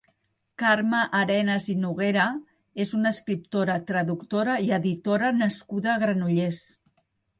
Carme Arenas i Noguera és una escriptora, traductora i editora nascuda a Granollers.